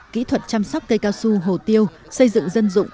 kỹ thuật chăm sóc cây cao su hồ tiêu xây dựng dân dụng